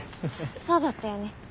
そうだったよね。